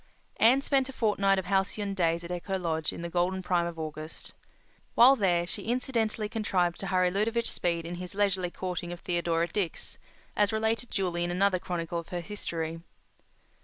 Anne spent a fortnight of halcyon days at Echo Lodge in the golden prime of August. While there she incidentally contrived to hurry Ludovic Speed in his leisurely courting of Theodora Dix, as related duly in another chronicle of her history.